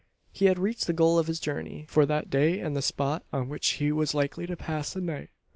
He had reached the goal of his journey for that day and the spot on which he was likely to pass the night.